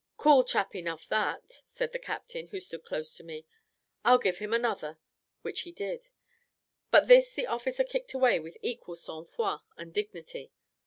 "Cool chap enough that," said the captain, who stood close to me; "I'll give him another;" which he did, but this the officer kicked away with equal sang froid and dignity.